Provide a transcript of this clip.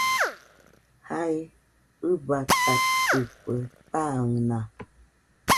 Jae ɨbatatikue, pan naa.